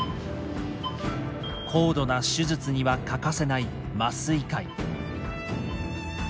高度な手術には欠かせない麻酔科医。